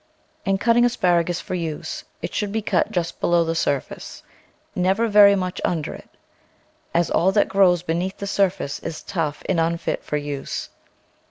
In cutting asparagus for use, it should be cut just below the surface, never very much under it, as all that grows below the surface is tough and unfit for use.